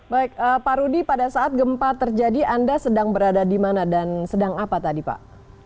baik pak rudy pada saat gempa terjadi anda sedang berada di mana dan sedang apa tadi pak